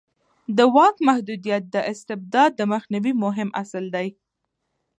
د واک محدودیت د استبداد د مخنیوي مهم اصل دی